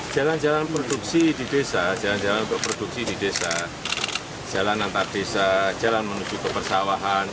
jalan jalan produksi di desa jalan jalan untuk produksi di desa jalan antar desa jalan menuju ke persawahan